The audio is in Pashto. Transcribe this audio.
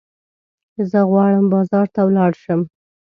زه غواړم بازار ته ولاړ شم.